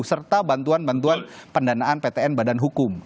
serta bantuan bantuan pendanaan ptn badan hukum